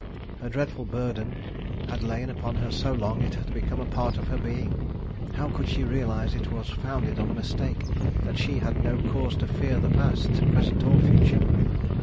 Her dreadful burden had lain upon her so long it had become a part of her being. How could she realize it was founded on a mistake; that she had no cause to fear the past, present, or future?